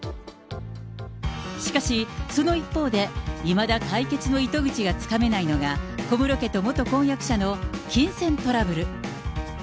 しかし、その一方で、いまだ解決の糸口がつかめないのが、小室家と元婚約者の金銭トラブル。